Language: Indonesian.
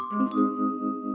terima kasih yoko